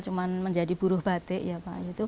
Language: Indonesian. cuma menjadi buruh batik ya pak